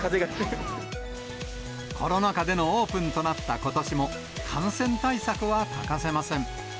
コロナ禍でのオープンとなったことしも、感染対策は欠かせません。